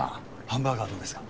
ハンバーガーどうですか？